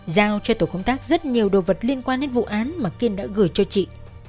giao cho tổ công tác rất nhiều đồ vật liên quan đến vụ án mà kiên đã gửi cho chị